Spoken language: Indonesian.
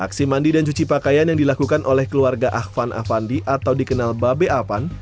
aksi mandi dan cuci pakaian yang dilakukan oleh keluarga akvan afandi atau dikenal babe avan